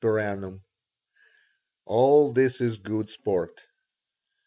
per annum. All this is good sport.